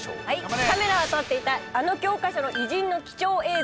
カメラは撮っていたあの教科書の偉人の貴重映像。